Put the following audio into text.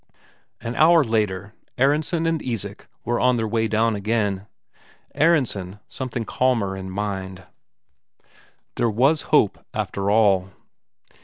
An hour after, Aronsen and Isak were on their way down again. Aronsen something calmer in mind there was hope after all.